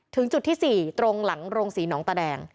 ถึงจุดที่๔ตรงหลังโรงศรีหนองตาแดง